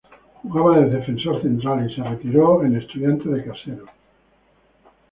Jugaba de defensor central y se retiró en Estudiantes de Caseros.